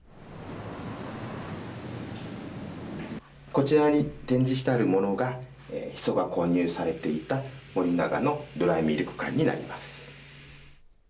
こちらに展示してあるものがヒ素が混入されていた森永のドライミルク缶になります。